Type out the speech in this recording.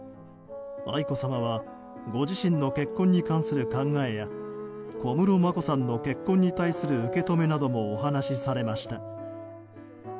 愛子さまはご自身の結婚に関する考えや小室眞子さんの結婚に対する受け止めなどもお話しされました。